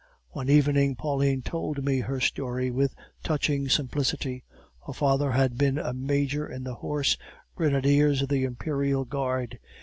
"One evening Pauline told me her story with touching simplicity. Her father had been a major in the horse grenadiers of the Imperial Guard.